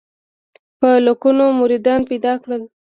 په لکونو مریدان پیدا کړل.